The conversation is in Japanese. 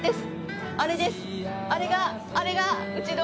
あれが。